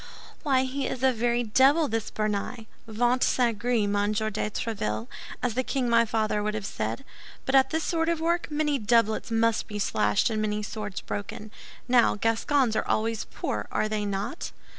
"Why he is a very devil, this Béarnais! Ventre saint gris, Monsieur de Tréville, as the king my father would have said. But at this sort of work, many doublets must be slashed and many swords broken. Now, Gascons are always poor, are they not?"